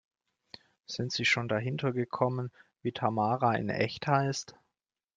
Sind Sie schon dahinter gekommen, wie Tamara in echt heißt?